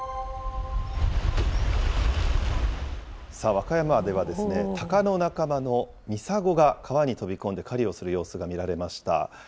和歌山では、タカの仲間のミサゴが、川に飛び込んで狩りをする様子が見られました。